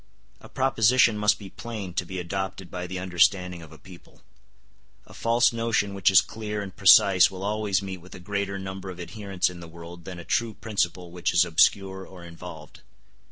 A proposition must be plain to be adopted by the understanding of a people. A false notion which is clear and precise will always meet with a greater number of adherents in the world than a true principle which is obscure or involved.